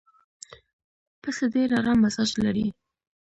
پسه ډېر ارام مزاج لري.